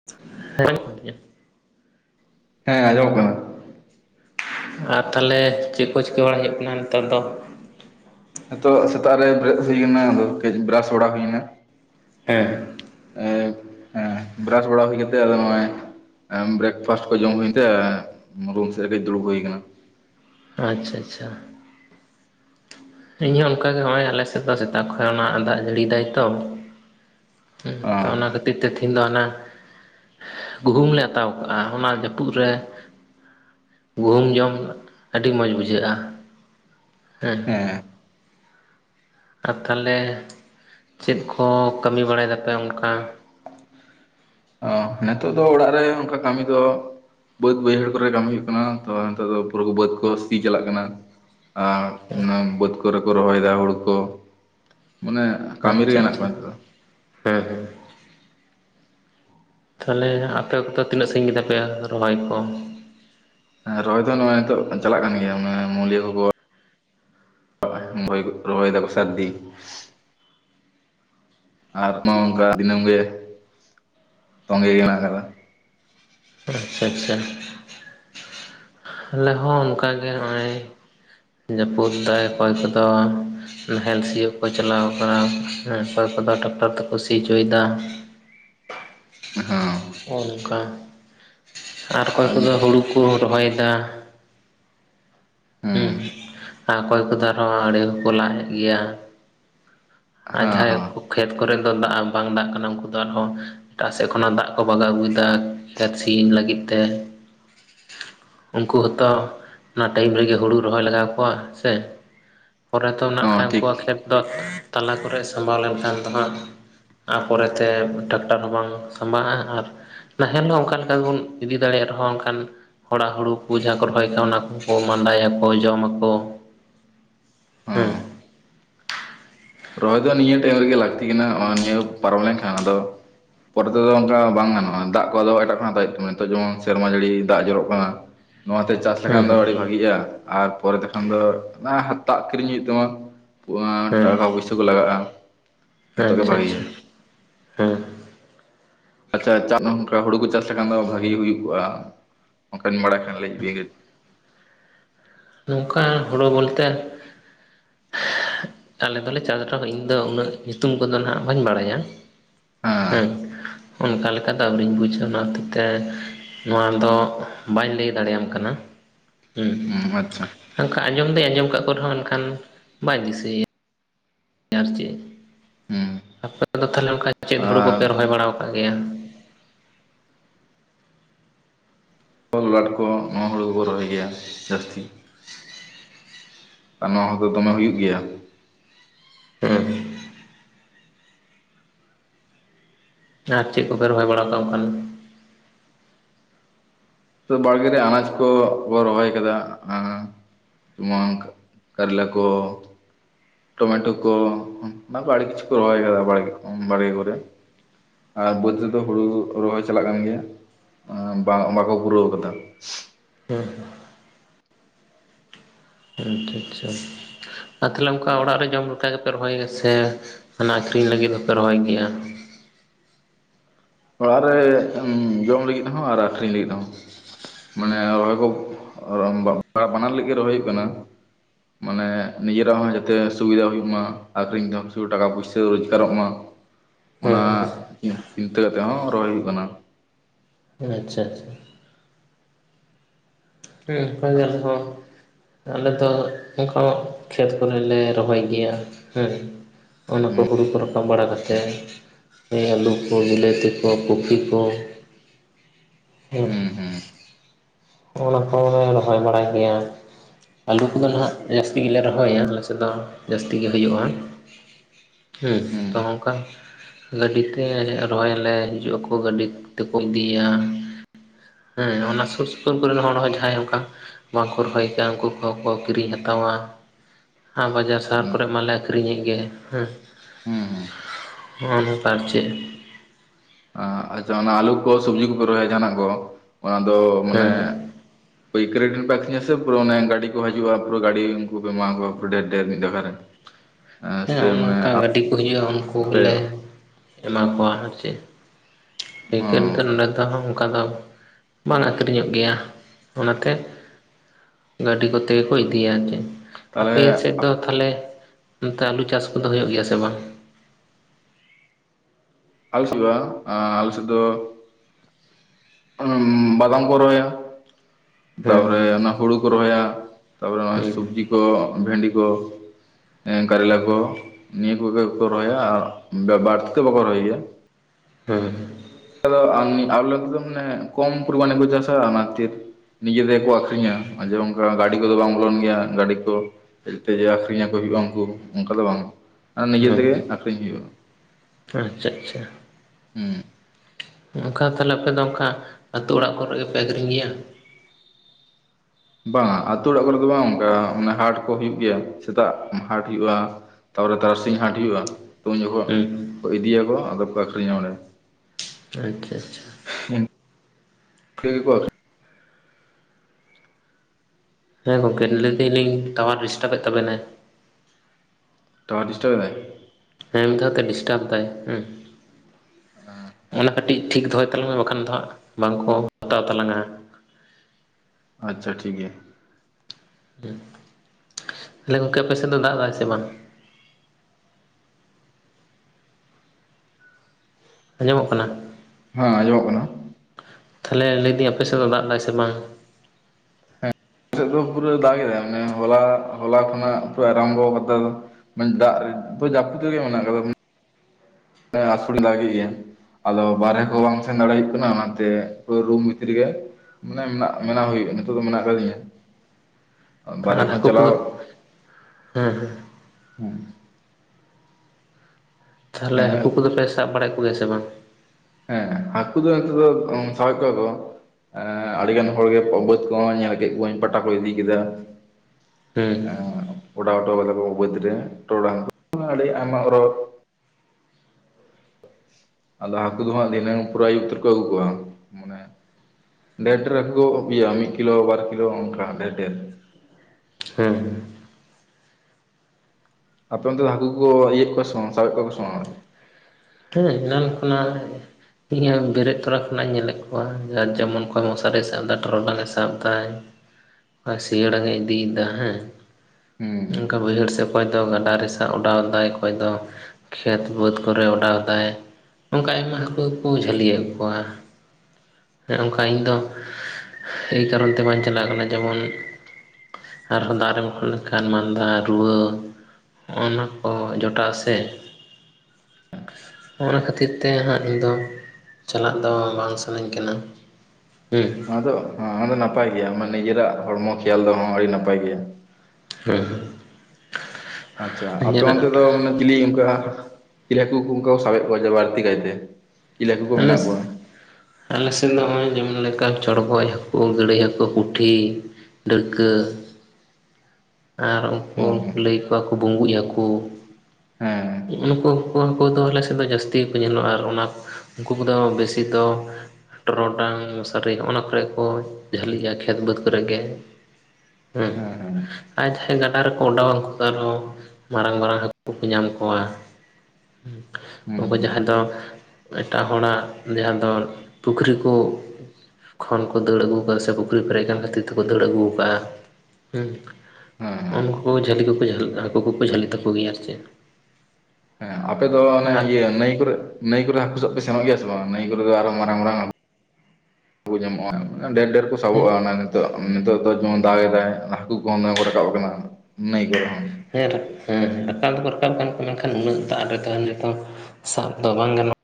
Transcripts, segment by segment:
[unintelligible] ᱦᱮᱸ ᱟᱸᱡᱚᱢᱚᱜ ᱠᱟᱱᱟ᱾ ᱟᱨ ᱛᱟᱦᱚᱞᱮ ᱪᱮᱫ ᱠᱚ ᱪᱤᱠᱟᱹ ᱵᱟᱲᱟ ᱦᱩᱭᱩᱜ ᱠᱟᱱᱟ ᱱᱮᱛᱟᱨ ᱫᱚ? ᱱᱤᱛᱳᱜ ᱥᱮᱛᱟᱜ ᱨᱮ ᱵᱮᱨᱮᱫ ᱦᱩᱭ ᱮᱱᱟ᱾ ᱟᱫᱚ ᱠᱟᱹᱡ ᱵᱮᱨᱟᱥ ᱵᱟᱲᱟ ᱦᱩᱭ ᱱᱟ᱾ ᱦᱮᱸ ᱦᱮᱸ ᱵᱮᱨᱟᱥ ᱵᱟᱲᱟ ᱦᱩᱭ ᱠᱟᱛᱮ ᱟᱫᱚ ᱱᱚᱜᱼᱚᱭ ᱵᱨᱮᱠᱯᱷᱟᱥᱴ ᱠᱚ ᱡᱚᱢ ᱦᱩᱭᱮᱱᱛᱮ, ᱨᱩᱢ ᱥᱮᱫ ᱨᱮ ᱠᱟᱹᱡ ᱫᱩᱲᱩᱵ ᱦᱩᱭ ᱠᱟᱱᱟ᱾ ᱟᱪᱪᱷᱟᱻᱟᱪᱪᱷᱟ᱾ ᱤᱧ ᱦᱚᱸ ᱚᱱᱠᱟ ᱜᱮ ᱱᱚᱜ ᱚᱭ ᱟᱞᱮᱥᱮᱫ ᱫᱚ ᱥᱮᱛᱟᱜ ᱠᱷᱚᱱ ᱱᱟᱜ ᱫᱟᱜ ᱡᱟᱹᱲᱤᱭ ᱫᱟᱭ ᱛᱚ᱾ ᱦᱮᱸᱛᱚ ᱚᱱᱟ ᱠᱷᱟᱹᱛᱤᱨ ᱠᱷᱟᱹᱛᱤᱨ ᱛᱮ ᱛᱮᱤᱦᱤᱧ ᱫᱚ ᱦᱟᱱᱮ ᱜᱩᱦᱩᱢ ᱞᱮ ᱟᱛᱟᱣ ᱠᱟᱜᱼᱟ, ᱚᱱᱟ ᱡᱟᱹᱯᱩᱫ ᱨᱮ ᱜᱩᱦᱩᱢ ᱡᱚᱢ ᱟᱹᱰᱤ ᱢᱚᱡᱽ ᱵᱩᱡᱷᱟᱹᱜᱼᱟ ᱦᱮᱸ᱾ ᱟᱨ ᱛᱟᱦᱚᱞᱮ ᱪᱮᱫ ᱠᱚ ᱠᱟᱹᱢᱤ ᱵᱟᱲᱟᱭ ᱫᱟᱯᱮ ᱚᱱᱠᱟ? ᱱᱤᱛᱚᱜ ᱫᱚ ᱚᱲᱟᱜ ᱨᱮ ᱚᱱᱠᱟ ᱠᱟᱹᱢᱤ ᱫᱚ ᱵᱟᱹᱫᱽ ᱵᱟᱹᱭᱦᱟᱹᱲ ᱠᱚᱨᱮ ᱠᱟᱹᱢᱤ ᱦᱩᱭᱩᱜ ᱠᱟᱱᱟ, ᱛᱚ ᱱᱮᱛᱚᱜ ᱫᱚ ᱯᱩᱨᱟᱹ ᱵᱟᱹᱫᱽ ᱠᱚ ᱥᱤ ᱪᱟᱞᱟᱜ ᱠᱟᱱᱟ᱾ ᱟᱨ ᱢᱟᱱᱮ ᱵᱟᱹᱫᱽ ᱠᱚᱨᱮ ᱠᱚ ᱨᱚᱦᱚᱭ ᱫᱟ ᱦᱩᱲᱩ ᱠᱚ, ᱢᱟᱱᱮ ᱠᱟᱹᱢᱤ ᱨᱮᱜᱮ ᱦᱮᱱᱟᱜ ᱟᱪᱪᱷᱟᱻᱟᱪᱪᱷᱟᱻ ᱠᱚᱣᱟ ᱱᱤᱛᱚᱜ ᱫᱚ ᱦᱮᱸ᱾ ᱛᱟᱦᱚᱞᱮ ᱟᱯᱮ ᱠᱚᱫᱚ ᱛᱤᱱᱟᱹᱜ ᱥᱟᱺᱜᱤᱧ ᱛᱟᱯᱮᱭᱟ ᱨᱚᱦᱚᱭ ᱠᱚ? ᱦᱮᱸ ᱨᱚᱦᱚᱭ ᱫᱚ ᱱᱚᱜᱼᱚᱭ ᱱᱤᱛᱚᱜ ᱪᱟᱞᱟᱜ ᱠᱟᱱ ᱜᱮᱭᱟ, ᱢᱟᱱᱮ ᱢᱩᱞᱤᱭᱟᱹ ᱠᱷᱚᱵᱚᱨ ᱨᱚᱦᱚᱭ ᱫᱟᱠᱚ ᱥᱟᱹᱨᱫᱽᱤ᱾ ᱟᱨ ᱢᱟ ᱚᱱᱠᱟ ᱫᱤᱱᱟᱢᱜᱮ ᱛᱚᱜᱮ ᱢᱮᱱᱟᱜ ᱠᱟᱫᱟ ᱾ ᱟᱪᱪᱷᱟᱻᱟᱪᱪᱷᱟᱻ᱾ ᱟᱞᱮ ᱦᱚᱸ ᱚᱱᱠᱟᱜᱮ ᱱᱚᱜᱼᱚᱸᱚᱭ ᱡᱟᱹᱯᱩᱫ ᱫᱟᱭ ᱚᱠᱚᱭ ᱠᱚᱫᱚ᱾ ᱱᱟᱦᱮᱞ ᱥᱤᱭᱳᱜ ᱠᱚ ᱪᱟᱞᱟᱣ ᱠᱟᱱᱟ, ᱚᱠᱚᱭ ᱠᱚᱫᱚ ᱴᱟᱠᱴᱟᱨ ᱛᱮᱠᱚ ᱥᱤ ᱪᱚᱭᱫᱟ᱾ ᱦᱚᱸᱻ᱾ ᱦᱚᱸᱜᱼ ᱱᱚᱝᱠᱟ ᱟᱨ ᱚᱠᱚᱭ ᱟᱫᱚ ᱠᱚᱫᱚ ᱦᱩᱲᱩ ᱠᱚ ᱨᱚᱦᱚᱭᱫᱟ᱾ ᱦᱩᱸ ᱦᱮᱸ ᱟᱨ ᱚᱠᱚᱭ ᱠᱚᱫᱚ ᱟᱨᱦᱚᱸ ᱟᱲᱮ ᱦᱚᱸᱠᱚ ᱞᱟᱜ ᱮᱫ ᱜᱮᱭᱟ ᱟᱨ ᱦᱮᱸ ᱡᱟᱦᱟᱸᱭ ᱦᱮᱸ ᱠᱷᱮᱛ ᱠᱚᱨᱮ ᱫᱚ ᱫᱟᱜ ᱵᱟᱝ ᱫᱟᱜ ᱠᱟᱱᱟ ᱩᱱᱠᱩ ᱫᱚ ᱟᱨᱦᱚᱸ ᱮᱴᱟᱜ ᱥᱮᱫ ᱠᱷᱚᱱᱟᱜ ᱫᱟᱜ ᱠᱚ ᱵᱟᱜᱟᱣ ᱟᱹᱜᱩᱭᱮᱫᱟ ᱠᱷᱮᱛ ᱥᱤ ᱞᱟᱹᱜᱤᱫ ᱛᱮ ᱩᱱᱠᱩ ᱦᱚᱸᱛᱚ ᱚᱱᱟ ᱴᱟᱭᱤᱢ ᱨᱮᱜᱮ ᱦᱩᱲᱩ ᱨᱚᱦᱚᱭ ᱞᱟᱜᱟᱣ ᱠᱚᱣᱟ ᱥᱮ ᱯᱚᱨᱮ ᱛᱚ ᱢᱮᱱᱟᱜ ᱦᱚᱸ ᱠᱷᱟᱱ ᱴᱷᱤᱠ ᱩᱱᱠᱩᱣᱟᱜ ᱠᱷᱮᱛ ᱫᱚ ᱛᱟᱞᱟ ᱠᱚᱨᱮᱜ ᱥᱟᱢᱵᱟᱣ ᱞᱮᱱᱠᱷᱟᱱ ᱫᱚ ᱦᱟᱸᱜ ᱟᱨ ᱯᱚᱨᱮᱛᱮ ᱴᱨᱟᱠᱴᱟᱨ ᱦᱚᱸ ᱵᱟᱝ ᱥᱟᱢᱵᱟᱜ-ᱟ ᱟᱨ ᱱᱟᱦᱮᱞ ᱦᱚᱸ ᱚᱱᱠᱟ ᱞᱮᱠᱟ ᱜᱮᱵᱚᱱ ᱤᱫᱤ ᱫᱟᱲᱮᱭᱟᱜ ᱨᱮᱦᱚᱸ ᱚᱱᱠᱟᱱ ᱦᱚᱲᱟᱜ ᱦᱩᱲᱩ ᱠᱚ ᱡᱟᱸ ᱠᱚ ᱨᱚᱦᱚᱭ ᱠᱷᱟ ᱚᱱᱟ ᱠᱚᱠᱚ ᱢᱟᱸᱰᱟᱭᱟᱠᱚ ᱡᱚᱢᱟᱠᱚ ᱦᱮᱸ ᱨᱚᱦᱚᱭ ᱫᱚ ᱱᱤᱭᱟᱹ ᱴᱟᱭᱤᱢ ᱨᱮᱜᱮ ᱞᱟᱹᱠᱛᱤ ᱠᱟᱱᱟ ᱱᱤᱭᱟᱹ ᱯᱟᱨᱚᱢ ᱞᱮᱱᱠᱷᱟᱱ ᱟᱫᱚ ᱯᱚᱨᱮ ᱛᱮᱫᱚ ᱚᱱᱠᱟ ᱵᱟᱝ ᱜᱟᱱᱚᱜ-ᱟ ᱫᱟᱜ ᱠᱚᱫᱚ ᱮᱴᱟᱜ ᱠᱷᱚᱱᱟᱜ ᱦᱟᱛᱟᱣ ᱦᱩᱭᱩᱜ ᱠᱟᱱᱟ ᱱᱤᱛᱚᱜ ᱡᱮᱢᱚᱱ ᱥᱮᱨᱢᱟ ᱡᱟᱹᱲᱤ ᱫᱟᱜ ᱡᱚᱨᱚᱜ ᱠᱟᱱᱟ [unintelligible] ᱱᱚᱣᱟᱛᱮ ᱪᱟᱥ ᱞᱮᱠᱷᱟᱱ ᱫᱚ ᱟᱹᱰᱤ ᱦᱮᱸ ᱵᱷᱟᱹᱜᱤᱜ-ᱟ ᱟᱨ ᱯᱚᱨᱮ ᱛᱮ ᱠᱷᱟᱱ ᱫᱚ ᱟᱜ ᱫᱟᱜ ᱠᱤᱨᱤᱧ ᱦᱩᱭᱩᱜ ᱛᱟᱢᱟ ᱦᱮᱸ ᱴᱟᱠᱟ ᱯᱩᱭᱥᱟᱹ ᱠᱚ ᱞᱟᱜᱟᱜ-ᱟ ᱦᱮᱸ ᱱᱤᱛᱚᱜ ᱜᱮ ᱟᱪᱪᱷᱟ ᱵᱷᱟᱜᱤᱭᱟ ᱟᱪᱪᱷᱟ ᱦᱮᱸ ᱟᱪᱪᱷᱟ [unintelligible] ᱱᱚᱱᱠᱟ ᱦᱩᱲᱩ ᱠᱚ ᱪᱟᱥ ᱞᱮᱠᱷᱟᱱ ᱫᱚ ᱵᱷᱟᱜᱤ ᱦᱩᱭᱩᱜᱜ-ᱟ ᱚᱱᱠᱤᱱ ᱵᱟᱲᱟᱭ ᱠᱷᱟᱱ ᱞᱟᱹᱭ ᱱᱚᱝᱠᱟ ᱦᱩᱲᱩ ᱵᱚᱞᱛᱮ ᱟᱞᱮ ᱫᱚᱞᱮ ᱪᱟᱥ ᱨᱮᱦᱚ ᱤᱧ ᱫᱚ ᱩᱱᱟᱹᱜ ᱧᱩᱛᱩᱢ ᱠᱚᱫᱚ ᱵᱟᱹᱧ ᱵᱟᱲᱟᱭᱟ ᱦᱮᱸ ᱚᱱᱠᱟ ᱞᱮᱠᱟ ᱫᱚ ᱟᱹᱣᱨᱤᱧ ᱵᱩᱡᱟ ᱚᱱᱟ ᱦᱚᱛᱮᱡ ᱛᱮ ᱱᱚᱣᱟ ᱫᱚ ᱵᱟᱹᱧ ᱞᱟᱹᱭ ᱫᱟᱲᱮᱭᱟᱢ ᱠᱟᱱᱟ ᱦᱮᱸ ᱟᱪᱪᱷᱟ ᱠᱟ ᱟᱸᱡᱚᱢ ᱫᱚᱧ ᱟᱸᱡᱚᱢ ᱠᱚ ᱨᱮᱦᱚᱸ ᱮᱱᱠᱷᱟᱱ ᱵᱟᱭ ᱫᱤᱥᱟᱹᱭᱟ ᱟᱨ ᱪᱮᱫ ᱦᱩᱸ ᱟᱯᱮ ᱫᱚ ᱛᱟᱦᱚᱞᱮ ᱚᱱᱠᱟ ᱪᱮᱫ ᱦᱩᱲᱩ ᱠᱚᱯᱮ ᱟᱨ ᱨᱚᱦᱚᱭ ᱵᱟᱲᱟ ᱟᱠᱟᱫ ᱜᱮᱭᱟ ᱠᱚᱞ ᱞᱟᱴ ᱠᱚ ᱱᱚᱣᱟ ᱦᱩᱲᱩ ᱠᱚ ᱠᱚ ᱨᱚᱦᱚᱭ ᱜᱮᱭᱟ ᱡᱟᱹᱥᱛᱤ ᱟ ᱱᱚᱣᱟ ᱦᱚᱸ ᱫᱚ ᱫᱚᱢᱮ ᱦᱩᱭᱩᱜ ᱜᱮᱭᱟ ᱦᱮᱸ ᱟᱨ ᱪᱮᱫ ᱠᱚᱯᱮ ᱨᱚᱦᱚᱭ ᱵᱟᱲᱟ ᱠᱟᱜ ᱚᱱᱠᱟᱱ ᱛᱚ ᱵᱟᱲᱜᱮ ᱨᱮ ᱟᱱᱟᱡ ᱠᱚ ᱵᱚ ᱨᱚᱦᱚᱭ ᱟᱠᱟᱫᱟ ᱢᱟᱝ ᱠᱟᱨᱞᱟᱠᱚ ᱴᱚᱢᱮᱴᱳ ᱠᱚ ᱚᱱᱟ ᱠᱚ ᱟᱹᱰᱤ ᱠᱤᱪᱷᱩ ᱠᱚ ᱨᱚᱦᱚᱭ ᱠᱟᱫᱟ ᱵᱟᱲᱜᱮ ᱠᱚᱨᱮ ᱟᱨ ᱵᱟᱹᱫᱽ ᱨᱮᱫᱚ ᱦᱩᱲᱩ ᱨᱚᱦᱚᱭ ᱪᱟᱞᱟᱜ ᱠᱟᱱ ᱜᱮᱭᱟ ᱵᱟᱝᱠᱚ ᱯᱩᱨᱟᱹᱣ ᱠᱟᱫᱟ ᱦᱮᱸ ᱟᱪᱪᱷᱟ ᱟᱪᱪᱷᱟ ᱟᱨ ᱛᱟᱞᱦᱮ ᱚᱱᱠᱟ ᱚᱲᱟᱜ ᱨᱮ ᱡᱚᱢ ᱞᱮᱠᱟ ᱜᱮ ᱯᱮ ᱨᱚᱦᱚᱭ ᱜᱮ ᱥᱮ ᱦᱟᱱᱟ ᱟᱹᱠᱷᱨᱤᱧ ᱞᱟᱹᱜᱤᱫ ᱦᱚᱸᱯᱮ ᱨᱚᱦᱚᱭ ᱜᱮᱭᱟ ᱚᱲᱟᱜ ᱨᱮ ᱡᱚᱢ ᱞᱟᱹᱜᱤᱫ ᱦᱚᱸ ᱟᱨ ᱟᱠᱷᱨᱤᱧ ᱞᱟᱹᱜᱤᱫ ᱦᱚᱸ ᱢᱟᱱᱮ ᱨᱚᱦᱚᱭ ᱠᱚ ᱵᱟᱱᱟᱨ ᱞᱟᱹᱜᱤᱫ ᱨᱚᱦᱚᱭ ᱦᱩᱭᱩᱜ ᱠᱟᱱᱟ ᱢᱟᱱᱮ ᱱᱤᱡᱮ ᱨᱟᱜ ᱦᱚᱸ ᱡᱟᱛᱮ ᱥᱩᱵᱤ ᱫᱷᱟ ᱦᱩᱭᱩᱜ ᱢᱟ ᱟᱠᱷᱨᱤᱧ ᱛᱮᱦᱚᱸ ᱠᱤᱪᱷᱩ ᱴᱟᱠᱟ ᱯᱩᱭᱥᱟᱹ ᱨᱚᱡᱽ ᱠᱟᱨᱚᱜ ᱢᱟ ᱚᱱᱟ ᱪᱤᱱᱛᱟᱹ ᱠᱟᱛᱮ ᱦᱚᱸ ᱨᱚᱦᱚᱭ ᱦᱩᱭᱩᱜ ᱠᱟᱱᱟ ᱟᱪᱪᱷᱟ ᱟᱪᱪᱷᱟ ᱦᱮᱸ ᱚᱱᱠᱟ ᱜᱮ ᱟᱞᱮ ᱦᱚᱸ ᱟᱞᱮ ᱫᱚ ᱚᱱᱠᱟ ᱠᱷᱮᱛ ᱠᱚᱨᱮ ᱞᱮ ᱨᱚᱦᱚᱭ ᱜᱮᱭᱟ ᱦᱮᱸ ᱚᱱᱟ ᱠᱚ ᱦᱩᱸ ᱦᱩᱲᱩ ᱠᱚ ᱨᱟᱠᱟᱵ ᱵᱟᱲᱟ ᱠᱟᱛᱮᱫ ᱟᱹᱞᱩ ᱠᱚ ᱵᱤᱞᱟᱹᱛᱤ ᱠᱚ ᱠᱚᱯᱷᱤ ᱠᱚ ᱦᱮᱸ ᱦᱩᱸ ᱦᱩᱸ ᱚᱱᱟ ᱠᱚ ᱦᱚᱸ ᱞᱮ ᱨᱚᱦᱚᱭ ᱵᱟᱲᱟᱭ ᱜᱮᱭᱟ ᱟᱹᱞᱩ ᱠᱚᱫᱚ ᱱᱟᱦᱟᱜ ᱡᱟᱹᱥ ᱛᱤ ᱜᱮᱞᱮ ᱨᱚᱦᱚᱭᱟ ᱟᱞᱮ ᱥᱮᱫ ᱫᱚ ᱡᱟᱹᱥᱛᱤ ᱜᱮ ᱦᱩᱭᱩᱜ-ᱟ ᱦᱩᱸ ᱛᱚ ᱚᱱᱠᱟ ᱜᱟᱹᱰᱤ ᱛᱮ ᱨᱚᱦᱚᱭ ᱟᱞᱮ ᱦᱤᱡᱩᱜ ᱟᱠᱚ ᱜᱟᱹᱰᱤ ᱛᱮᱠᱚ ᱤᱫᱤᱭᱟ ᱦᱮᱸ ᱚᱱᱟ ᱥᱩᱨ ᱥᱩᱯᱩᱨ ᱠᱚᱨᱮᱱ ᱦᱚᱲ ᱦᱚᱸ ᱡᱟᱦᱟᱸᱭ ᱚᱱᱠᱟ ᱵᱟᱝᱠᱚ ᱨᱚᱦᱚᱭ ᱟᱠᱟᱜ-ᱟ ᱩᱱᱠᱩ ᱠᱚᱦᱚᱸ ᱠᱚ ᱠᱤᱨᱤᱧ ᱦᱟᱛᱟᱣ-ᱟ ᱟᱨ ᱵᱟᱡᱟᱨ ᱦᱩᱸ ᱥᱟᱦᱟᱨ ᱦᱩᱸ ᱠᱚᱨᱮ ᱢᱟᱞᱮ ᱟᱹᱠᱷᱨᱤᱧ ᱮᱫ ᱜᱮ ᱦᱮᱸ ᱦᱩᱸ ᱦᱩᱸ ᱦᱚᱜ ᱱᱚᱝ ᱟᱨ ᱪᱮᱫ ᱟ ᱟᱪᱪᱷᱟ ᱚᱱᱟ ᱟᱹᱞᱩ ᱠᱚ ᱥᱚᱵᱽᱡᱤ ᱠᱚᱯᱮ ᱨᱚᱦᱚᱭᱟ ᱡᱟᱦᱟᱸ ᱱᱟᱜ ᱠᱚ ᱚᱱᱟ ᱫᱚ ᱢᱟᱱᱮ ᱦᱮᱸ ᱯᱟᱹᱭᱠᱟᱹᱨᱤ ᱴᱷᱮᱱ ᱯᱮ ᱟᱠᱷᱨᱤᱧ ᱟ ᱥᱮ ᱯᱩᱨᱟᱹ ᱚᱱᱮ ᱜᱟᱹᱰᱤ ᱠᱚ ᱦᱤᱡᱩᱜᱼᱟ ᱯᱩᱨᱟᱹ ᱜᱟᱹᱰᱤ ᱩᱱᱠᱩ ᱯᱮ ᱮᱢᱟ ᱠᱚᱣᱟ ᱯᱩᱨᱟᱹ ᱰᱷᱮᱨ ᱰᱷᱮᱨ ᱢᱤᱫ ᱫᱷᱟᱣ ᱨᱮ [inaudible] ᱦᱮᱸ ᱥᱮ ᱚᱱᱮ ᱢᱟᱱᱮ ᱚᱱᱠᱟ ᱜᱟᱹᱰᱤ ᱠᱚ ᱦᱤᱡᱼᱟ ᱩᱱᱠᱩ ᱟᱯᱮ ᱜᱮᱞᱮ ᱮᱢᱟ ᱠᱚᱣᱟ ᱟᱨ ᱪᱮᱫ ᱯᱟᱹᱭᱠᱟᱹᱨ ᱫᱚ ᱱᱚᱰᱮ ᱫᱚ ᱚᱱᱠᱟ ᱫᱚ ᱵᱟᱝ ᱟᱹᱠᱷᱨᱤᱧᱼᱚᱜ ᱜᱮᱭᱟ᱾ ᱚᱱᱟ ᱛᱮ ᱜᱟᱹᱰᱤ ᱠᱚᱛᱮ ᱜᱮᱠᱚ ᱤᱫᱤᱭᱟ ᱟᱨ ᱪᱮᱫ ᱛᱟᱦᱚᱞᱮ ᱟᱯᱮ ᱥᱮᱫ ᱫᱚ ᱛᱟᱞᱮ ᱚᱱᱛᱮ ᱟᱞᱩ ᱪᱟᱥ ᱠᱚᱫᱚ ᱦᱩᱭᱩᱜ ᱜᱮᱭᱟ ᱥᱮ ᱵᱟᱝ? [unintelligible] ᱟᱞᱮ ᱥᱮᱫ ᱫᱚ ᱵᱟᱫᱟᱢ ᱠᱚ ᱨᱚᱦᱚᱭᱟ ᱛᱟᱨ ᱯᱚᱨᱮ ᱦᱮᱸ ᱚᱱᱟ ᱦᱩᱲᱩ ᱠᱚ ᱨᱚᱦᱚᱭᱟ ᱛᱟᱨ ᱯᱚᱨᱮ ᱚᱱᱟ ᱦᱮᱸ ᱥᱚᱵᱽᱡᱤ ᱠᱚ ᱵᱷᱮᱱᱰᱤ ᱠᱚ᱾ ᱠᱟᱞᱞᱟ ᱠᱚ ᱱᱤᱭᱟᱹ ᱠᱚᱜᱮ ᱠᱚ ᱨᱚᱦᱚᱭᱟ ᱟᱨ ᱵᱟᱹᱲᱛᱤ ᱫᱚ ᱵᱟᱠᱚ ᱨᱚᱦᱚᱭ ᱜᱮᱭᱟ᱾ ᱦᱮᱸ [unintelligible] ᱢᱟᱱᱮ ᱠᱚᱢ ᱯᱚᱨᱤ ᱢᱟᱱ ᱜᱮ ᱠᱚ ᱪᱟᱥᱼᱟ ᱚᱱᱟ ᱠᱷᱟᱛᱤᱨ ᱱᱤᱡᱮ ᱛᱮᱠᱚ ᱟᱠᱷᱨᱤᱧᱟ ᱚᱱᱠᱟ ᱜᱟᱹᱰᱤ ᱠᱚᱫᱚ ᱵᱟᱝ ᱵᱚᱞᱚᱱ ᱜᱮᱭᱟ ᱜᱟᱹᱰᱤ ᱠᱚ ᱠᱟᱸᱡ ᱠᱟᱹᱡ ᱟᱠᱷᱨᱤᱧ ᱟᱠᱚ ᱦᱩᱭᱩᱜᱼᱟ ᱩᱱᱠᱩ ᱚᱱᱠᱟ ᱫᱚ ᱵᱟᱝ ᱟᱨ ᱱᱤᱡᱮ ᱦᱮᱸ ᱛᱮᱜᱮ ᱟᱠᱷᱨᱤᱧ ᱦᱩᱭᱩᱜᱼᱟ᱾ ᱟᱪᱪᱷᱟ ᱟᱪᱪᱷᱟ ᱦᱩᱸ [unintelligible] ᱛᱟᱦᱚᱞᱮ ᱟᱯᱮ ᱫᱚ ᱚᱱᱠᱟ ᱟᱹᱛᱩ ᱚᱲᱟᱜ ᱠᱚᱨᱮ ᱜᱮ ᱯᱮ ᱟᱹᱠᱷᱨᱤᱧ ᱜᱮᱭᱟ? ᱵᱟᱝ ᱟᱹᱛᱩ ᱚᱲᱟᱜ ᱠᱚᱨᱮ ᱫᱚ ᱵᱟᱝ ᱚᱱᱠᱟ ᱦᱟᱴ ᱠᱚ ᱦᱩᱭᱩᱜ ᱜᱮᱭᱟ᱾ᱥᱮᱛᱟᱜ ᱦᱟᱴ ᱦᱩᱭᱩᱜᱼᱟ ᱛᱟ ᱯᱚᱨᱮ ᱛᱟᱨᱟ ᱥᱤᱧ ᱦᱟᱴ ᱦᱩᱭᱩᱜᱼᱟ ᱩᱱ ᱡᱚᱠᱷᱚᱡ ᱦᱮᱸ ᱤᱫᱤ ᱭᱟᱠᱚ ᱟᱫᱚ ᱠᱚ ᱟᱠᱷᱨᱤ ᱧᱟ ᱚᱸᱰᱮ ᱟᱪᱪᱷᱟ ᱟᱪᱪᱷᱟ ᱤᱱᱠᱟᱹ ᱜᱮᱠᱚ ᱟᱠᱷᱨᱤᱧ ᱦᱮᱸ ᱜᱚᱢᱠᱮ ᱞᱟᱹᱭ ᱫᱟᱞᱤᱧ ᱴᱟᱣᱟᱨ ᱰᱤᱥᱴᱟᱵ ᱮᱫ ᱛᱟᱵᱤ ᱱᱟᱭ ᱴᱟᱣᱟᱨ ᱫᱤᱥᱴᱟᱵ ᱮᱫ ᱟᱭ ᱦᱮᱸ ᱢᱤᱫ ᱫᱷᱟᱣ ᱠᱟᱛᱮ ᱰᱤᱥᱴᱟᱵ ᱫᱟᱭ ᱦᱮᱸ [inaudible] ᱚᱱᱟ ᱠᱟᱹᱴᱤᱡ ᱴᱷᱤᱠ ᱫᱚᱦᱚᱭ ᱛᱟᱞᱟᱝ ᱢᱮ ᱵᱟᱠᱷᱟᱱ ᱫᱚ ᱦᱟᱸᱜ ᱵᱟᱝ ᱠᱚ ᱦᱟᱛᱟᱣ ᱛᱟᱞᱟᱝᱼᱟ᱾ ᱟᱪᱪᱷᱟ ᱴᱷᱤᱠ ᱜᱮᱭᱟ᱾ ᱦᱮᱸ ᱛᱟᱦᱚᱞᱮ ᱜᱚᱢᱠᱮ ᱟᱯᱮ ᱥᱮᱫ ᱫᱚ ᱫᱟᱜ ᱫᱟᱭ ᱥᱮ ᱵᱟᱝ? ᱟᱸᱡᱚᱢᱚᱜ ᱠᱟᱱᱟ᱾ ᱦᱮᱸ ᱟᱸᱡᱚᱢᱚᱜ ᱠᱟᱱᱟ᱾ ᱛᱟᱦᱚᱞᱮ ᱞᱟᱹᱭ ᱫᱟᱹᱧ ᱟᱯᱮ ᱥᱮᱜ ᱫᱚ ᱫᱟᱜ ᱫᱟᱭ ᱥᱮ ᱵᱟᱝ? ᱥᱮᱫ ᱫᱚ ᱯᱩᱨᱟᱹ ᱫᱟᱜ ᱮᱫᱟᱭ ᱢᱟᱱᱮ ᱦᱚᱞᱟ ᱦᱚᱞᱟ ᱠᱷᱚᱱᱟᱜ ᱯᱩᱨᱟᱹ ᱟᱨᱟᱢᱵᱚ ᱠᱟᱫᱟ ᱢᱟᱱᱮ ᱫᱟᱜ ᱨᱮ ᱡᱟᱹᱯᱩᱫ ᱨᱮᱜᱮ ᱢᱮᱱᱟᱜ ᱠᱟᱫᱟ᱾ [inaudible] ᱫᱟᱜ ᱜᱮᱜᱟ ᱟᱫᱚ ᱵᱟᱦᱨᱮ ᱠᱚ ᱵᱟᱝ ᱥᱮᱱ ᱫᱟᱲᱮ ᱦᱩᱭᱩᱜ ᱠᱟᱱᱟ ᱚᱱᱟᱛᱮ ᱨᱩᱢ ᱵᱷᱤᱛᱤᱨ ᱜᱮ ᱢᱟᱱᱮ ᱵᱮᱱᱟᱣ ᱦᱩᱭᱩᱜᱼᱟ ᱱᱤᱛᱚᱜ ᱫᱚ ᱢᱮᱱᱟᱜ ᱠᱟᱫᱤᱧᱟ ᱵᱟᱦᱨᱮ ᱟᱨ ᱦᱚᱸ ᱦᱟᱹᱠᱩ ᱪᱟᱞᱟᱣ ᱠᱚᱫᱚ ᱦᱮᱸ ᱦᱮᱸ ᱦᱩ ᱛᱟᱦᱚᱞᱮ ᱦᱟᱠᱳ ᱦᱮᱸ ᱠᱚᱫᱚ ᱯᱮ ᱥᱟᱵ ᱵᱟᱲᱟᱭᱮᱫ ᱠᱚᱜᱮᱭᱟ ᱥᱮ ᱵᱟᱝ? ᱦᱮᱸ ᱦᱟᱹᱠᱩ ᱫᱚ ᱦᱤᱛᱳᱜ ᱫᱚ [unintelligible] ᱮᱻ ᱟᱹᱰᱤᱜᱟᱱ ᱦᱚᱲᱜᱮ ᱵᱟᱹᱛ ᱠᱚ ᱧᱮᱞ ᱠᱮᱫ ᱠᱚᱣᱟᱹᱧ ᱯᱟᱴᱟ ᱠᱚ ᱤᱫᱤ ᱠᱮᱫᱟ ᱦᱮᱸ ᱚᱰᱟᱣ ᱦᱚᱴᱚ ᱠᱟᱫᱟ ᱠᱚ ᱜᱤᱫᱽᱨᱟᱹᱴᱚᱨᱰᱟᱝ [unintelligible] ᱟᱫᱚ ᱦᱟᱹᱠᱩ ᱫᱚ ᱦᱟᱜ ᱫᱷᱤᱱᱟᱹᱝ ᱯᱩᱨᱟᱭ ᱩᱛᱟᱹᱨ ᱠᱚ ᱟᱹᱜᱩ ᱠᱚᱣᱟ ᱢᱟᱱᱮ ᱰᱷᱮᱨ ᱰᱷᱮᱨ ᱦᱟᱠᱳ ᱯᱮᱭᱟ ᱢᱤᱫ ᱠᱤᱞᱳ ᱵᱟᱨ ᱠᱤᱞᱳ ᱚᱱᱠᱟ ᱰᱷᱮᱨ ᱰᱷᱮᱨ ᱦᱮᱸ ᱟᱯᱮ ᱚᱱᱛᱮ ᱫᱚ ᱦᱟᱠᱳ ᱠᱚ ᱤᱭᱟᱜ ᱠᱚᱣᱟ ᱥᱮ ᱵᱟᱝ ᱥᱟᱵ ᱮᱫ ᱠᱚᱣᱟ ᱥᱮ ᱵᱟᱝ ᱦᱩ ᱮᱱᱟᱱ ᱠᱷᱚᱱᱟᱜ ᱤᱧᱟᱹᱜ ᱵᱮᱨᱮᱫ ᱛᱚᱨᱟ ᱠᱷᱚᱱᱟᱜ ᱤᱧ ᱧᱮᱞᱮᱜ ᱠᱚᱣᱟ ᱡᱮᱢᱚᱱ ᱚᱠᱚᱭ ᱢᱚᱥᱟᱨᱤᱭ ᱥᱟᱵ ᱫᱟ ᱴᱚᱨᱚᱰᱟᱝ ᱮ ᱥᱟᱵ ᱫᱟᱭ᱾ ᱥᱤᱭᱟᱹᱲᱟᱝᱮ ᱤᱫᱤᱫᱟ ᱦᱮᱸ ᱦᱩᱸ ᱚᱱᱠᱟ ᱵᱟᱹᱭᱦᱟᱹᱲ ᱥᱮᱜ ᱚᱠᱚᱭ ᱫᱚ ᱜᱟᱰᱟ ᱨᱮ ᱥᱟᱜ ᱚᱰᱟᱣ ᱫᱟᱭ ᱚᱠᱚᱭ ᱫᱚ ᱠᱷᱮᱛ ᱵᱟᱹᱛ ᱠᱚᱨᱮ ᱚᱰᱟᱣ ᱫᱟᱭ ᱚᱱᱠᱟ ᱟᱭᱢᱟ ᱦᱟᱠᱳ ᱜᱮᱠᱚ ᱡᱷᱟᱹᱞᱤ ᱠᱚᱣᱟ᱾ ᱚᱱᱠᱟ ᱤᱧ ᱫᱚ ᱮᱭ ᱠᱟᱨᱚᱱ ᱛᱮ ᱵᱟᱹᱧ ᱪᱟᱞᱟ ᱠᱟᱱᱟ, ᱡᱮᱢᱚᱱ ᱟᱨᱦᱚᱸ ᱫᱟᱜ ᱨᱮᱢ ᱞᱚᱦᱚᱜ ᱞᱮᱱᱠᱷᱟᱱ ᱢᱟᱸᱫᱟ ᱨᱩᱣᱟᱹ- ᱱᱚᱜᱚᱱᱟ ᱠᱚ ᱡᱚᱴᱟᱣ ᱥᱮ᱾ ᱚᱱᱟ ᱠᱷᱟᱹᱛᱤᱨ ᱛᱮ ᱦᱟᱜ ᱤᱧᱫᱚ ᱪᱟᱞᱟᱜ ᱫᱚ ᱵᱟᱝ ᱥᱟᱱᱟᱧ ᱠᱟᱱᱟ᱾ ᱦᱩ ᱟᱫᱚ ᱟᱫᱚ ᱱᱟᱯᱟᱭ ᱜᱮᱭᱟ ᱱᱤᱡᱮᱨᱟᱜ ᱦᱚᱲᱢᱚ ᱠᱷᱮᱭᱟᱞ ᱫᱚ ᱟᱹᱰᱤ ᱱᱟᱯᱟᱭ ᱜᱮᱭᱟ᱾ ᱦᱮᱸ ᱟᱪᱪᱷᱟ ᱟᱯᱮ ᱚᱱᱛᱮ ᱫᱚ ᱢᱟᱱᱮ ᱪᱤᱞᱤ ᱚᱱᱠᱟ ᱪᱤᱞᱤ ᱦᱟᱹᱠᱩ ᱚᱱᱠᱟ ᱠᱚ ᱥᱟᱵᱮᱫ ᱠᱚᱣᱟ ᱡᱮ ᱵᱟᱹᱲᱛᱤ ᱠᱟᱭᱛᱮ᱾ ᱪᱤᱞᱤ ᱦᱟᱹᱠᱩ ᱠᱚ ᱦᱮᱞᱮᱥ ᱢᱮᱱᱟᱜ ᱠᱚᱣᱟ ᱟᱞᱮ ᱥᱮᱫ ᱫᱚ ᱦᱚᱜᱼᱚᱭ ᱡᱮᱢᱚᱱ ᱞᱮᱠᱟ ᱪᱚᱲᱜᱚᱡ ᱦᱟᱹᱠᱩ, ᱜᱟᱹᱲᱟᱹᱭ ᱦᱟᱹᱠᱩ, ᱯᱩᱴᱷᱤ ᱰᱟᱹᱲᱠᱟᱹ, ᱟᱨ ᱩᱱᱠᱩ ᱦᱮᱸ ᱦᱮᱸ ᱞᱟᱹᱭ ᱠᱚᱣᱟ ᱠᱚ ᱵᱩᱸᱵᱩᱡ ᱦᱟᱠᱩ, ᱦᱮᱸ ᱱᱩᱠᱩ ᱩᱱᱠᱩ ᱦᱟᱹᱠᱩ ᱫᱚ ᱟᱞᱮᱥᱮᱫ ᱫᱚ ᱡᱟᱹᱥᱛᱤ ᱜᱮᱠᱚ ᱧᱮᱞᱚᱜᱼᱟ, ᱟᱨ ᱚᱱᱟ ᱩᱱᱠᱩ ᱠᱚᱫᱚ ᱵᱮᱥᱤ ᱫᱚ ᱴᱚᱨᱚᱰᱟᱝ ᱢᱚᱥᱟᱨᱤ ᱦᱚᱜᱚ ᱱᱟ ᱠᱚᱨᱮ ᱠᱚ ᱡᱷᱟᱹᱜᱤᱭᱟ ᱠᱷᱮᱛ ᱵᱟᱹᱛ ᱠᱚᱨᱮᱜ ᱜᱮ᱾ ᱦᱮᱸ ᱟᱨ ᱡᱟᱦᱟᱭ ᱜᱟᱰᱟ ᱨᱮᱠᱚ ᱚᱰᱟᱣᱟ ᱩᱱᱠᱩ ᱫᱚ ᱟᱨᱦᱚᱸ ᱢᱟᱨᱟᱝ ᱢᱟᱨᱟᱝ ᱦᱟᱹᱠᱳ ᱠᱚ ᱠᱚ ᱧᱟᱢ ᱠᱚᱣᱟ᱾ ᱦᱮᱸ ᱦᱮᱸ ᱩᱱᱠᱩ ᱡᱟᱦᱟᱭ ᱫᱚ ᱮᱴᱟᱜ ᱦᱚᱲᱟᱜ ᱡᱟᱦᱟ ᱫᱚ ᱯᱩᱠᱷᱨᱤ ᱠᱩ ᱠᱷᱚᱱ ᱠᱚ ᱫᱟᱹᱲ ᱟᱹᱜᱩ ᱠᱟᱜ-ᱟ ᱥᱮ ᱯᱩᱠᱷᱨᱤ ᱯᱮᱨᱮᱡ ᱟᱠᱟᱱ ᱠᱷᱟᱹᱛᱤᱨ ᱛᱮᱠᱚ ᱫᱟᱹᱲ ᱟᱹᱜᱩ ᱠᱟᱜᱼᱟ ᱦᱩᱸ᱾ ᱦᱮᱸ ᱦᱮᱸ ᱦᱩᱱᱠᱩ ᱠᱚ ᱡᱷᱟᱹᱞᱤ ᱠᱚᱠᱚ ᱡᱷᱟᱹᱞᱤ ᱦᱟᱹᱠᱩ ᱠᱚᱠᱚ ᱡᱷᱟᱹᱞᱤ ᱛᱟᱠᱚ ᱜᱮᱭᱟ ᱥᱮ ᱪᱮᱫ᱾ ᱦᱮᱸ ᱟᱯᱮ ᱫᱚ ᱚᱱᱮ ᱟᱨ ᱤᱭᱟᱹ ᱱᱟᱹᱭ ᱠᱚᱨᱮᱫ ᱱᱟᱹᱭ ᱠᱚᱨᱮ ᱦᱟᱹᱠᱩ ᱥᱟᱵ ᱯᱮ ᱥᱮᱱᱚᱜ ᱜᱮᱭᱟ ᱥᱮ ᱵᱟᱝ ᱱᱟᱹᱭ ᱠᱚᱨᱮ ᱫᱚ ᱟᱨᱚ ᱢᱟᱨᱟᱝ ᱢᱟᱨᱟᱝ ᱦᱟᱹᱠᱩ ᱠᱚ ᱧᱟᱢᱚᱜᱼᱟ᱾ ᱰᱷᱮᱨ ᱰᱷᱮᱨ ᱠᱚ ᱦᱮᱸ ᱥᱟᱵᱚᱜᱼᱟ ᱚᱱᱟ ᱱᱤᱛᱚᱜ, ᱱᱤᱛᱚᱜ ᱫᱚ ᱡᱮᱢᱚᱱ ᱫᱟᱜ ᱮᱫᱟᱭ ᱦᱟᱹᱠᱩ ᱠᱚᱦᱚᱸ ᱫᱚᱢᱮ ᱠᱚ ᱨᱟᱠᱟᱵ ᱠᱟᱱᱟ ᱱᱟᱹᱭ ᱠᱚᱨᱮ ᱦᱚᱸ᱾ ᱦᱮᱸ ᱦᱮᱸ ᱨᱟᱠᱟᱵ ᱫᱚ ᱨᱟᱠᱟᱵ ᱠᱟᱱᱟ ᱠᱚ ᱢᱮᱱᱠᱷᱟᱱ ᱩᱱᱟᱹᱜ ᱫᱟᱜ ᱨᱮ ᱛᱟᱦᱮ ᱡᱚᱛᱚ ᱥᱟᱵ ᱫᱚ ᱵᱟᱝ ᱜᱟᱱᱚᱜᱼᱟ᱾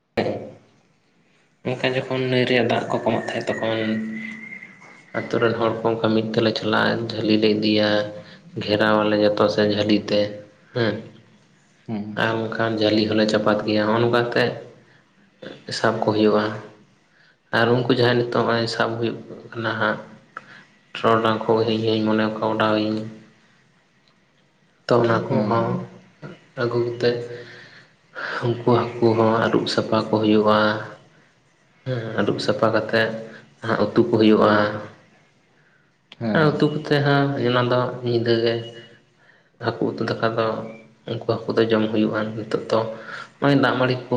ᱚᱱᱠᱟ ᱡᱚᱠᱷᱚᱱ ᱱᱟᱹᱭ ᱨᱮᱭᱟᱜ ᱫᱟᱜ ᱠᱚ ᱠᱚᱢᱚᱜ ᱛᱟᱦᱮᱸᱫ ᱛᱚᱠᱷᱚᱱ ᱟᱛᱳ ᱨᱮᱱ ᱦᱚᱲ ᱠᱚ ᱚᱱᱠᱟ ᱢᱤᱫ ᱛᱮᱞᱮ ᱪᱟᱞᱟᱜᱼᱟ ᱡᱷᱟᱹᱞᱤ ᱞᱮ ᱤᱫᱤᱭᱟ᱾ ᱜᱷᱮᱨᱟᱣ ᱟᱞᱮ ᱡᱚᱛᱚ ᱥᱮᱫ ᱡᱷᱟᱹᱞᱤ ᱛᱮ ᱦᱩᱸ᱾ ᱦᱮᱸ ᱟᱨ ᱚᱱᱠᱷᱟᱱ ᱡᱷᱟᱹᱞᱤ ᱦᱚᱸᱞᱮ ᱪᱟᱯᱟᱫ ᱜᱮᱭᱟ ᱱᱚᱜᱚ ᱱᱚᱝᱠᱟᱛᱮ ᱥᱟᱵ ᱠᱚ ᱦᱩᱭᱩᱜᱼᱟ, ᱟᱨ ᱩᱱᱠᱩ ᱡᱟᱦᱟᱸ ᱱᱤᱛᱚᱜ ᱦᱚᱸᱜᱼᱚᱭ ᱥᱟᱵ ᱦᱩᱭᱩᱜ ᱠᱟᱱᱟ ᱦᱟᱸᱜ ᱴᱨᱚᱰᱟᱝ ᱠᱚ ᱦᱩᱭᱧ ᱢᱚᱱᱮ ᱠᱚ ᱚᱰᱟᱣᱤᱧ ᱛᱚ ᱚᱱᱟ ᱠᱚᱦᱚᱸ ᱦᱮᱸ ᱟᱹᱜᱩ ᱠᱟᱛᱮᱫ᱾ ᱩᱱᱠᱩ ᱦᱟᱹᱠᱩ ᱦᱚᱸ ᱟᱹᱨᱩᱵ ᱥᱟᱯᱷᱟ ᱠᱚ ᱦᱩᱭᱩᱜᱼᱟ᱾ ᱦᱮᱸ ᱟᱹᱨᱩᱵ ᱥᱟᱯᱷᱟ ᱠᱟᱛᱮᱫ ᱦᱟᱸᱜ ᱩᱛᱩ ᱠᱚ ᱦᱩᱭᱩᱜᱼᱟ᱾ ᱟᱨ ᱦᱮᱸ ᱩᱛᱩ ᱠᱚᱛᱮ ᱦᱟᱸᱜ ᱦᱮᱱᱟ ᱫᱚ ᱧᱤᱫᱟᱹ ᱜᱮ ᱦᱟᱹᱠᱩ ᱩᱛᱩ ᱫᱟᱠᱟ ᱫᱚ ᱩᱱᱠᱩ ᱦᱟᱹᱠᱩ ᱫᱚ ᱡᱚᱢ ᱦᱩᱭᱩᱜᱼᱟ ᱱᱤᱛᱚᱜ ᱫᱚ᱾ ᱱᱚᱜᱼᱚᱭ ᱫᱟᱜ ᱢᱟᱹᱲᱤ ᱠᱚ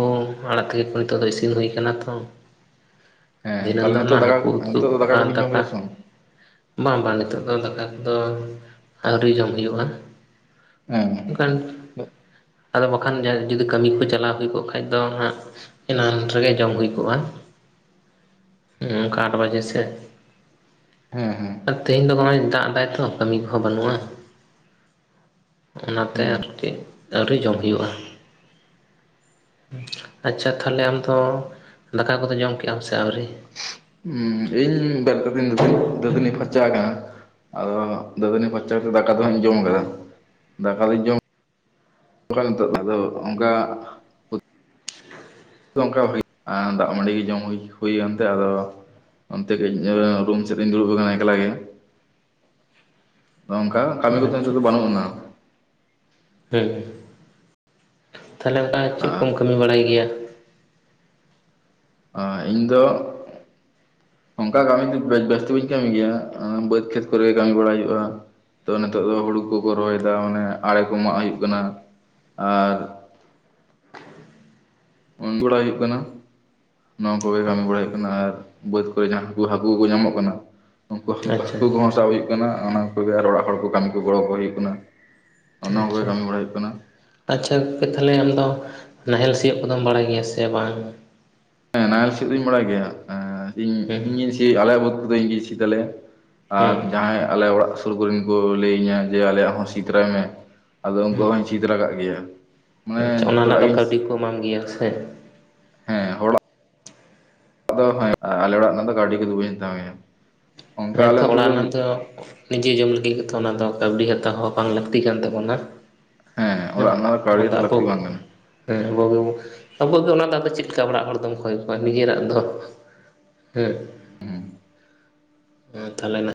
ᱟᱲᱟᱜ ᱛᱮᱠᱮ ᱠᱚ ᱱᱤᱛᱚᱜ ᱫᱚ ᱤᱥᱤᱱ ᱦᱩᱭ ᱠᱟᱱᱟ ᱛᱚ᱾ ᱦᱮᱸ ᱫᱦᱤᱱᱟᱹᱱ ᱛᱟᱦᱚᱞᱮ ᱫᱚ ᱚᱱᱟ ᱱᱤᱛᱚᱜ ᱫᱟᱠᱟ ᱦᱟᱹᱠᱩ ᱩᱛᱩᱩᱜ ᱱᱤᱛᱚᱜ ᱫᱚ ᱟᱨ ᱠᱚᱵᱤᱱ ᱡᱚᱢ ᱫᱟᱠᱟ᱾ ᱠᱮᱫᱟ ᱥᱮ ᱵᱟᱝ ᱵᱟᱝ ᱵᱟᱝ ᱱᱤᱛᱚᱜ ᱫᱚ ᱫᱟᱠᱟ ᱠᱚᱫᱚ ᱟᱹᱣᱨᱤ ᱡᱚᱢ ᱦᱩᱭᱩᱜᱼᱟ᱾ ᱚᱸ᱾ ᱚᱱ ᱠᱟᱱ ᱟᱫᱚ ᱵᱟᱠᱷᱟᱱ ᱡᱩᱫᱤ ᱠᱟᱹᱢᱤ ᱠᱚ ᱪᱟᱞᱟᱣ ᱦᱩᱭ ᱠᱚᱜ ᱠᱷᱟᱱᱡ ᱫᱚ ᱦᱟᱸᱜ ᱮᱱᱟᱱ ᱨᱮᱜᱮ ᱡᱚᱢ ᱦᱩᱭ ᱠᱚᱜᱼᱟ, ᱚᱱᱠᱟ ᱟᱴ ᱵᱟᱡᱮ ᱥᱮᱫ᱾ ᱦᱮᱸ ᱦᱮᱸ᱾ ᱟᱨ ᱛᱮᱦᱮᱧ ᱫᱚ ᱱᱚᱜᱼᱚᱭ ᱫᱟᱜ ᱫᱟᱭ ᱛᱚ ᱠᱟᱹᱢᱤ ᱠᱚᱦᱚᱸ ᱵᱟᱹᱱᱩᱜᱼᱟ᱾ ᱚᱱᱟᱛᱮ ᱟᱨ ᱪᱮᱫ ᱟᱹᱣᱨᱤ ᱡᱚᱢ ᱦᱩᱭᱩᱜᱼᱟ᱾ ᱟᱪᱪᱷᱟ ᱛᱟᱦᱚᱞᱮ ᱟᱢ ᱫᱚ ᱫᱟᱠᱟ ᱠᱚᱫᱚ ᱡᱚᱢ ᱠᱮᱜ ᱟᱢ ᱥᱮ ᱟᱹᱣᱨᱤ᱾ ᱦᱩᱸ.. ᱤᱧ ᱵᱮᱨᱮᱫ ᱠᱟᱛᱤᱧ ᱫᱟ... ᱫᱟ. ᱛᱟ. ᱱᱤ ᱯᱷᱟᱨᱪᱟ [unintelligible] ᱟᱠᱟᱱᱟ ᱟᱫᱚ ᱫᱟᱹᱛᱟᱹᱱᱤ ᱯᱷᱟᱨᱪᱟ ᱠᱟᱛᱮᱮᱫ ᱫᱟᱠᱟ ᱫᱚ ᱦᱟᱸᱜ ᱤᱧ ᱡᱚᱢ ᱟᱠᱟᱫᱼᱟ ᱫᱟᱠᱟ ᱫᱩᱧ ᱡᱚᱢ᱾ ᱚᱱᱠᱟ ᱱᱤᱛᱚᱜ ᱫᱚ ᱟᱫᱚ ᱚᱱᱠᱟ᱾ ᱚᱱᱠᱟ ᱫᱟᱜ ᱢᱟᱹᱰᱤ ᱜᱮ ᱡᱚᱢ ᱦᱩᱭ ᱦᱩᱭᱟᱱᱛᱮ ᱟᱫᱚ᱾ ᱚᱱᱛᱮ ᱠᱟᱹᱡ ᱨᱩᱢ ᱥᱮᱫ ᱨᱤᱧ ᱫᱩᱲᱩᱵ ᱟᱠᱟᱱᱟ ᱮᱠᱞᱟ ᱜᱮ᱾ ᱚᱝᱠᱟ ᱠᱟᱹᱢᱤ ᱠᱚᱫᱚ ᱟᱪᱪᱷᱟ ᱱᱤᱛᱚᱜ ᱫᱚ ᱟᱪᱪᱷᱟ ᱵᱟᱹᱱᱩᱜ ᱟᱱᱟ᱾ ᱦᱮᱸ ᱛᱟᱦᱚᱞᱮ ᱚᱱᱠᱟ ᱪᱮᱫ ᱠᱚᱢ ᱟᱨ ᱠᱟᱹᱢᱤ ᱵᱟᱲᱟᱭ ᱜᱮᱭᱟ᱾ ᱤᱧ ᱫᱚ᱾ ᱚᱱᱠᱟ ᱠᱟᱹᱢᱤ ᱫᱚ ᱵᱮᱥ ᱫᱚ ᱵᱟᱹᱧ ᱠᱟᱹᱢᱤ ᱜᱮᱭᱟ ᱵᱟᱹᱫᱽ ᱠᱷᱮᱛ ᱠᱚᱨᱮ ᱠᱟᱹᱢᱤ ᱵᱟᱲᱟᱟᱭ ᱦᱩᱭᱩᱜᱼᱟ᱾ ᱛᱚ ᱱᱤᱛᱚᱜ ᱫᱚ ᱦᱩᱲᱩ ᱠᱚᱠᱚ ᱨᱚᱦᱚᱭᱮᱫᱟ ᱢᱟᱱᱮ ᱟᱲᱮ ᱠᱚ ᱢᱟᱜ ᱦᱩᱭᱩᱜ ᱠᱟᱱᱟ ᱟᱨ᱾ [unintelligible] ᱦᱩᱭᱩᱜ ᱠᱟᱱᱟ ᱱᱚᱣᱟ ᱠᱚᱜᱮ ᱠᱟᱹᱢᱤ ᱵᱟᱲᱟᱭ ᱦᱩᱭᱩᱜ ᱠᱟᱱᱟ ᱟᱨ ᱵᱟᱹᱫᱽ ᱠᱚᱨᱮ ᱡᱟᱦᱟᱸᱠᱩ ᱠᱩ ᱦᱟᱟᱹᱠᱩ ᱠᱚ ᱧᱟᱢᱚᱜ ᱠᱟᱱᱟ᱾ ᱩᱱᱠᱩ ᱦᱟᱹᱠᱩ ᱠᱚ ᱟᱪᱪᱷᱟ ᱦᱟᱹᱠᱩ ᱠᱚᱦᱚᱸ ᱥᱟᱵ ᱦᱩᱭᱩᱜ ᱠᱟᱱᱟ ᱚᱱᱟ ᱠᱚᱜᱮ ᱟᱨ ᱚᱲᱟᱜ ᱦᱚᱲ ᱠᱚ ᱠᱟᱹᱢᱤ ᱠᱚ ᱜᱚᱲᱚ ᱠᱚ ᱦᱩᱭᱩᱜ ᱠᱟᱱᱟ᱾ ᱚᱱᱟ ᱠᱚᱜᱮ ᱟᱪᱪᱷᱟ᱾ ᱠᱟᱹᱢᱤ ᱵᱟᱲᱟ ᱦᱩᱭᱩᱜ ᱠᱟᱱᱟ ᱟᱪᱪᱷᱟ ᱜᱚᱢᱠᱮ ᱛᱟᱦᱚᱞᱮ ᱟᱢᱫᱚ ᱱᱟᱦᱮᱞ ᱥᱤᱭᱚᱜ ᱠᱚᱫᱚᱢ ᱵᱟᱲᱟᱭ ᱜᱮᱭᱟ ᱥᱮ ᱵᱟᱝ? ᱦᱮᱸ ᱱᱟᱦᱮᱞ ᱥᱤᱭᱚᱜ ᱫᱩᱧ ᱵᱟᱲᱟᱭ ᱜᱮᱭᱟ ᱤᱧ ᱦᱮᱸ ᱤᱧ ᱜᱤᱧ ᱥᱤ ᱟᱞᱮᱭᱟᱜ ᱵᱟᱹᱫᱽ ᱠᱚᱫᱚ ᱤᱧ ᱜᱮ ᱥᱤ ᱛᱟᱞᱮᱭᱟ᱾ ᱟᱨ ᱦᱮᱸ ᱡᱟᱦᱟᱸᱭ ᱟᱞᱮ ᱚᱲᱟᱜ ᱥᱩᱨ ᱠᱚᱨᱮᱱ ᱠᱚ ᱞᱟᱹᱭ ᱤᱧᱟ ᱡᱮ ᱟᱞᱮᱭᱟᱜ ᱦᱚᱸ ᱥᱤ ᱛᱚᱨᱟᱭ ᱢᱮ᱾ ᱟᱫᱚ ᱦᱮᱸ ᱩᱱᱠᱩᱣᱟᱜ ᱦᱚᱧ ᱥᱤ ᱛᱚᱨᱟ ᱠᱟᱜ ᱜᱮᱭᱟ᱾ ᱟᱪᱪᱷᱟ ᱢᱟᱱᱮ ᱚᱱᱟ ᱡᱷᱚᱛᱚ ᱨᱮᱱᱟᱜ ᱦᱚᱲᱟᱜ ᱫᱚ ᱜᱤᱧ ᱥᱤ ᱠᱟᱹᱣᱰᱤ ᱠᱚ ᱮᱢᱟᱢ ᱜᱮᱭᱟ ᱥᱮ᱾ ᱦᱮᱸ ᱦᱚᱲᱟᱜ᱾ ᱫᱚ ᱦᱮᱸ ᱟᱞᱮ ᱚᱲᱟᱜ ᱨᱮᱱᱟᱜ ᱫᱚ ᱠᱟᱹᱣᱰᱤ ᱠᱚ ᱫᱩ ᱵᱟᱹᱧ ᱦᱟᱛᱟᱣ ᱜᱮᱭᱟ᱾ ᱚᱱᱠᱟ ᱦᱮᱸ ᱟᱞᱮ ᱛᱚ ᱚᱱᱛᱮ ᱚᱲᱟᱜ ᱨᱮᱱᱟᱜ ᱫᱚ ᱱᱤᱡᱮ ᱡᱚᱢ ᱞᱟᱹᱜᱤᱫ ᱜᱮ ᱛᱚ ᱚᱱᱟ ᱫᱚ ᱠᱟᱹᱣᱰᱤ ᱦᱟᱛᱟᱣ ᱦᱚᱸ ᱵᱟᱝ ᱞᱟᱹᱠᱛᱤ ᱠᱟᱱ ᱛᱟᱵᱚᱱᱟ᱾ ᱦᱮᱸ ᱚᱲᱟᱜ ᱨᱮᱱᱟᱜ ᱫᱚ ᱠᱟᱹᱣᱰᱤ ᱚᱱᱟᱫᱚ ᱫᱚ ᱟᱵᱚ᱾ ᱞᱟᱹᱠᱛᱤ ᱵᱟᱝ ᱠᱟᱱᱟ ᱦᱮᱸ ᱟᱵᱚᱜᱮ ᱟᱵᱚᱣᱟᱜ ᱜᱮ ᱚᱱᱟ ᱫᱚ ᱟᱫᱚ ᱪᱮᱫ ᱞᱮᱠᱟ ᱚᱲᱟᱜ ᱦᱚᱲ ᱫᱚᱢ ᱠᱷᱚᱭ ᱠᱚᱣᱟ ᱱᱤᱡᱮᱨᱟᱜ ᱫᱚ᱾ ᱦᱮᱸ᱾ ᱦᱮᱸ ᱛᱟᱦᱚᱞᱮᱱᱟ᱾